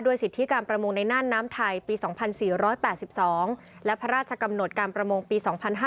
สิทธิการประมงในน่านน้ำไทยปี๒๔๘๒และพระราชกำหนดการประมงปี๒๕๕๙